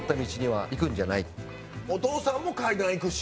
お父さんも階段行くし。